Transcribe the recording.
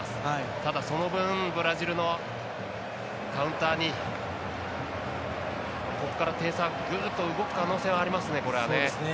ただ、その分ブラジルのカウンターにここから点差がぐっと動く可能性がありますね。